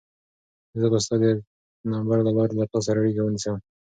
زه به ستا د نمبر له لارې له تا سره اړیکه ونیسم.